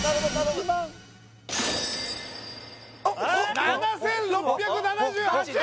むっ７６７８円！